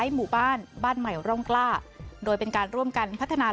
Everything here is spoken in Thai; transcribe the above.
หมู่บ้านบ้านใหม่ร่องกล้าโดยเป็นการร่วมกันพัฒนา